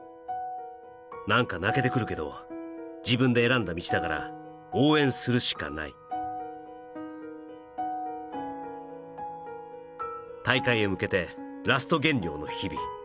「なんか泣けてくるけど自分で選んだ道だから」「応援するしかない」「大会へ向けてラスト減量の日々」